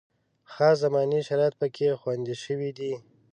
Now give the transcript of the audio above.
خاص زماني شرایط پکې خوندي شوي دي.